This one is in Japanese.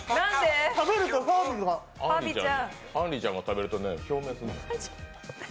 あんりちゃんが食べると共鳴するの。